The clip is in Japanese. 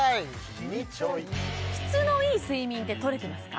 キニチョイ質のいい睡眠ってとれてますか？